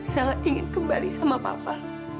saya ingin kembali sama papa